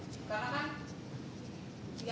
dengan mbak angel ya